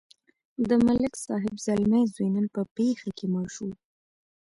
د ملک صاحب زلمی زوی نن په پېښه کې مړ شو.